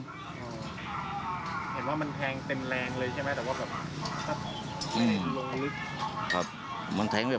เห็นว่ามันแทงเต็มแรงเลยใช่ไหมแต่ว่าแบบ